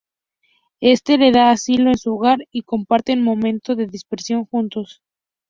Este le da asilo en su hogar y comparten momento de dispersión juntos.